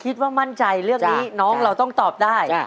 คิดว่ามั่นใจเรื่องนี้น้องเราต้องตอบได้